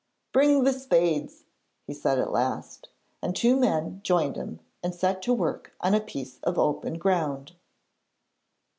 'Bring the spades,' he said at last, and two men joined him and set to work on a piece of open ground.